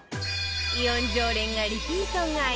イオン常連がリピート買い